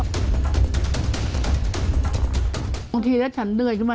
บางทีแล้วฉันเหนื่อยขึ้นมา